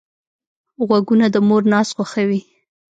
غوږونه د مور ناز خوښوي